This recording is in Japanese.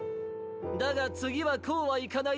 だがつぎはこうはいかないよ！